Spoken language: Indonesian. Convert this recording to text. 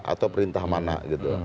atau perintah mana gitu